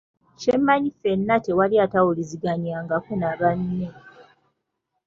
Kyemmanyi ffena tewali atawuliziganyangako na banne.